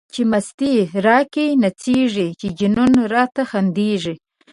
چی مستی را کی نڅيږی، چی جنون را ته خنديږی